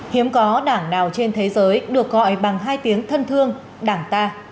hiếm có đảng nào trên thế giới được gọi bằng hai tiếng thân thương đảng ta